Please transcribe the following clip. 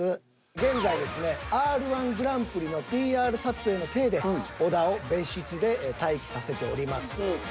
現在ですねＲ−１グランプリのＰＲ撮影の体で小田を別室で待機させております。